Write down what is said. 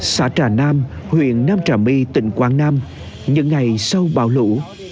xã trà nam huyện nam trà my tỉnh quảng nam những ngày sau bão lũ